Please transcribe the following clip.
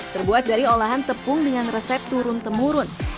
terbuat dari olahan tepung dengan resep turun temurun